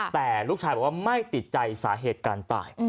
แต่ลูกชายบอกว่าไม่ติดใจสาเหตุการตาย